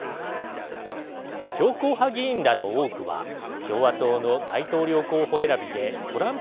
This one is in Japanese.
強硬派議員らの多くは共和党の大統領候補選びでトランプ氏を支持しています。